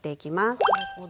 へなるほど。